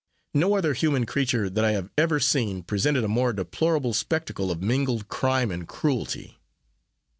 No other human creature that I have ever seen presented a more deplorable spectacle of mingled crime and cruelty.